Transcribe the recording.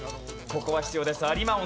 ここは必要です。